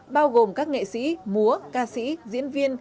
bao gồm các nghệ sĩ múa ca sĩ diễn viên